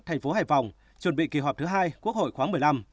thành phố hải phòng chuẩn bị kỳ họp thứ hai quốc hội khoáng một mươi năm